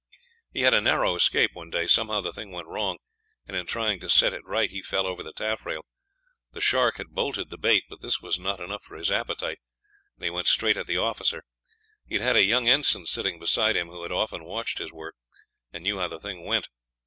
"He had a narrow escape one day; somehow the thing went wrong, and in trying to set it right he fell over the taffrail. The shark had bolted the bait, but this was not enough for his appetite, and he went straight at the officer. He had had a young ensign sitting beside him, who had often watched his work, and knew how the thing went.